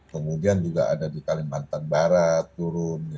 kemudian juga ada di kalimantan barat turun